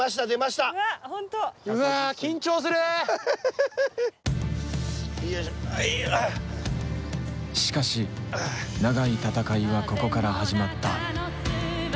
しかし長い闘いはここから始まった。